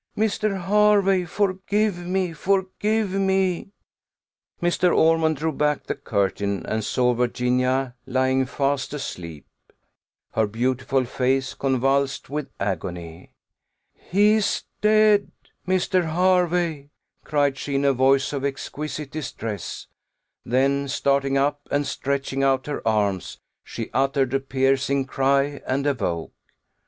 Mr. Hervey! forgive me! forgive me!" Mrs. Ormond drew back the curtain, and saw Virginia lying fast asleep; her beautiful face convulsed with agony. "He's dead! Mr. Hervey!" cried she, in a voice of exquisite distress: then starting up, and stretching out her arms, she uttered a piercing cry, and awoke.